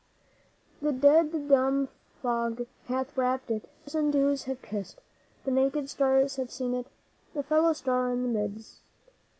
'The dead dumb fog hath wrapped it the frozen dews have kissed The naked stars have seen it, the fellow star in the mist.